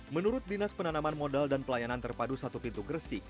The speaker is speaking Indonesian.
menurut dinas penanaman modal dan pelayanan terpadu satu pintu gresik